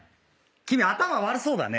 君頭悪そうだね。